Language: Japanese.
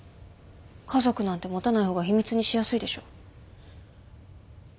家族なんて持たない方が秘密にしやすいでしょ。